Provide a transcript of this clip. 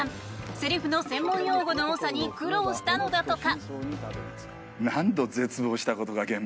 セリフの専門用語の多さに苦労したのだとか。